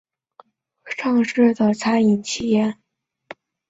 乡村基是一家中国大陆第一家在美国纽交所上市的餐饮企业。